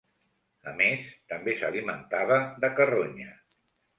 A més, també s'alimentava de carronya.